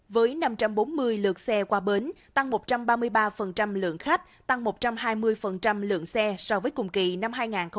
với năm trăm bốn mươi lượt xe qua bến tăng một trăm ba mươi ba lượng khách tăng một trăm hai mươi lượng xe so với cùng kỳ năm hai nghìn hai mươi ba